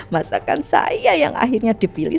masakan saya yang akhirnya dipilih